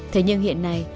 thế nhưng hiện nay